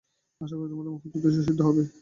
আশা করি, তোমার মহৎ উদ্দেশ্য সিদ্ধ হবে।